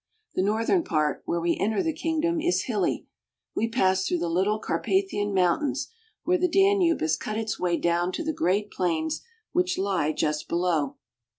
The northern part, where we enter the kingdom, is hilly ; we pass through the little Carpathian Mountains where the Danube has cut its way down to the great plains which lie just below.